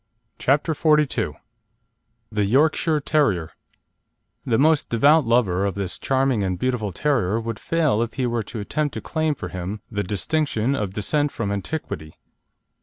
CHAPTER XLII THE YORKSHIRE TERRIER The most devout lover of this charming and beautiful terrier would fail if he were to attempt to claim for him the distinction of descent from antiquity.